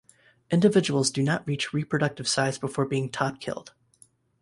Individuals do not reach reproductive size before being top-killed.